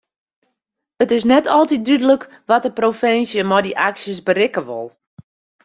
It is net altyd dúdlik wat de provinsje met dy aksjes berikke wol.